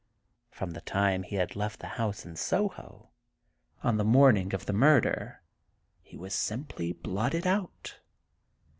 From the time he had left the house in Soho, on the morning of the murder, he was simply blotted out.